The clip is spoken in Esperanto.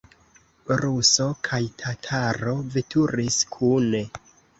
Ruso kaj tataro veturis kune.